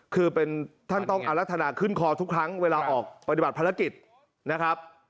คือเป็นท่านต้องอรัฒนาขึ้นคอทุกครั้งเวลาออกปฏิบัติภารกิจนะครับ